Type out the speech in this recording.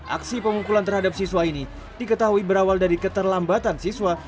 aksi pemukulan terhadap siswa ini diketahui berawal dari keterlambatan siswa